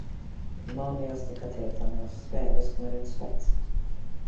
Den vanligaste katetern är sfärisk med rund spets